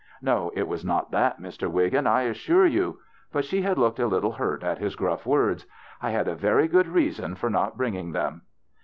" No, it was not that, Mr. Wiggin, I assure you." But she had looked a little hurt at his gruff words. " I had a very good reason for not bringing them."